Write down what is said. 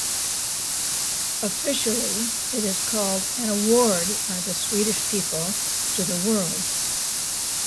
Officially it is called "An award by the Swedish people to the world".